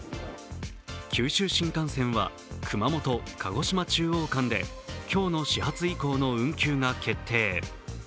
九州新幹線は熊本−鹿児島中央間で今日の始発以降の運休が決定。